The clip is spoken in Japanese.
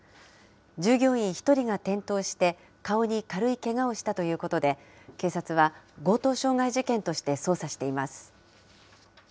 従業員１人が転倒して顔に軽いけがをしたということで、警察は強盗傷害事件として捜査しています。